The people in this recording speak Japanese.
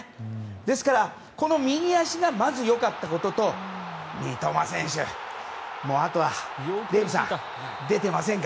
ですから、この右足がまず良かったことと三笘選手、あとはデーブさん出てませんか？